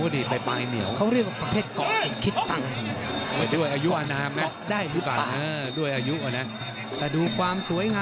เขาเรียกประเภทโกะพิตธิ์ตั้ง